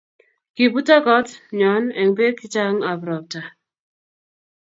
Kibutik kot nyon eng bek chechang ab ropta.